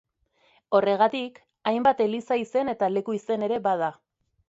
Horregatik, hainbat eliza-izen eta leku-izen ere bada.